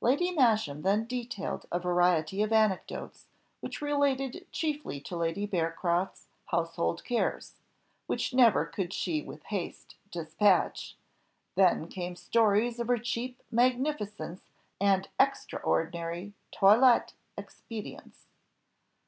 Lady Masham then detailed a variety of anecdotes, which related chiefly to Lady Bearcroft's household cares, which never could she with haste despatch; then came stories of her cheap magnificence and extraordinary toilette expedients.